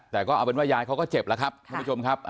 แต่ก็เอาเป็นว่ายายเขาก็เจ็บแล้วครับท่านผู้ชมครับ